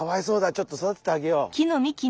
ちょっと育ててあげよう。